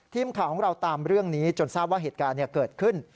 ทีมข่าวของเราตามเรื่องนี้จนทราบว่าเหตุการณ์เกิดขึ้น